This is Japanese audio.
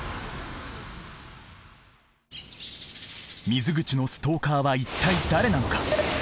水口のストーカーは一体誰なのか？